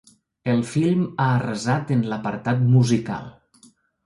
El film ha arrasat en l’apartat musical.